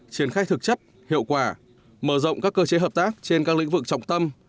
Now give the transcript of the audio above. triển khai thực chất hiệu quả mở rộng các cơ chế hợp tác trên các lĩnh vực trọng tâm